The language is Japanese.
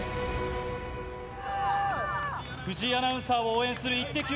藤井アナウンサーを応援するイッテＱ！